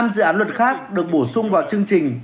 năm dự án luật khác được bổ sung vào chương trình